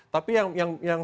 tapi yang sekarang ada